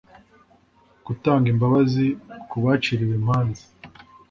gutanga imbabazi ku baciriwe imanza